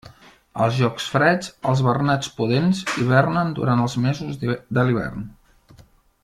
Als llocs freds, els bernats pudents hibernen durant els mesos de l'hivern.